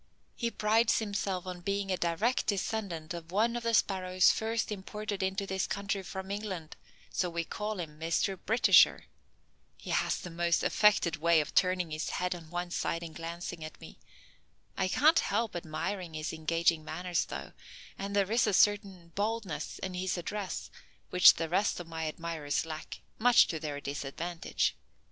He prides himself on being a direct descendant of one of the sparrows first imported into this country from England, so we call him Mr. Britisher. He has the most affected way of turning his head on one side and glancing at me. I can't help admiring his engaging manners, though, and there is a certain boldness in his address which the rest of my admirers lack, much to their disadvantage.